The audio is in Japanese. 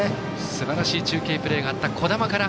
すばらしい中継プレーのあった樹神から。